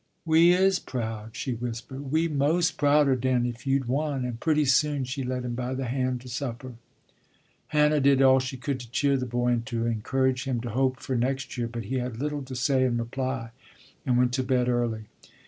"We is proud," she whispered, "we's mos' prouder dan if you'd won," and pretty soon she led him by the hand to supper. Hannah did all she could to cheer the boy and to encourage him to hope for next year, but he had little to say in reply, and went to bed early.